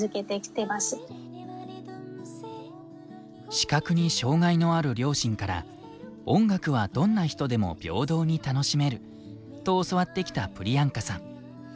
視覚に障害のある両親から「音楽はどんな人でも平等に楽しめる」と教わってきたプリヤンカさん。